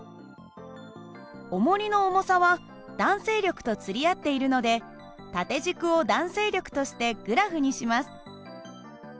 おもりの重さは弾性力と釣り合っているので縦軸を弾性力としてグラフにします。